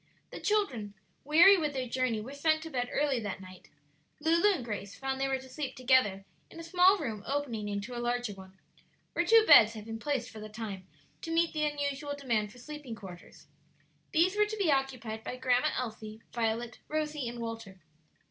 The children, weary with their journey, were sent to bed early that night. Lulu and Grace found they were to sleep together in a small room opening into a larger one, where two beds had been placed for the time to meet the unusual demand for sleeping quarters. These were to be occupied by Grandma Elsie, Violet, Rosie, and Walter.